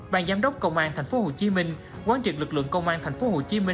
ban giám đốc công an tp hcm quán triệt lực lượng công an tp hcm